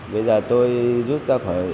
bây giờ tôi rút ra khỏi công ty